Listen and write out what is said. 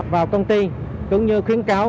vào công ty cũng như khuyến cáo